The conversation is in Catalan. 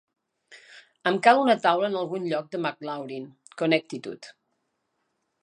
Em cal una taula en algun lloc de McLaurin, Connecticut